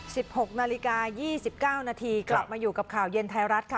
หกนาฬิกายี่สิบเก้านาทีกลับมาอยู่กับข่าวเย็นไทยรัฐค่ะ